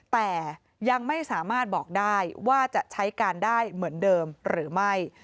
แต่ยังไม่สามารถบอกได้ว่าจะใช้การได้เหมือนเดิมหรือไม่